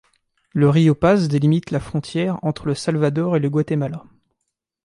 Le Rio Paz délimite la frontière entre le Salvador et le Guatemala.